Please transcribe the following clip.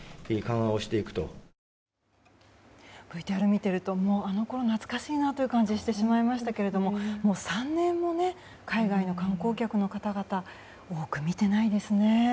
ＶＴＲ見ているともう、あのころ懐かしいなという感じしてしまいましたけれどももう３年も海外の観光客の方々多く見てないですね。